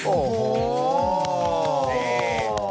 โอ้โห